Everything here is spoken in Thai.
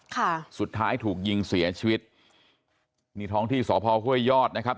ค่ะสุดท้ายถูกยิงเสียชีวิตนี่ท้องที่สพห้วยยอดนะครับ